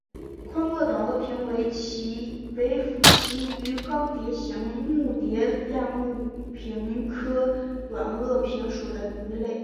宽额短额鲆为辐鳍鱼纲鲽形目鲽亚目鲆科短额鲆属的鱼类。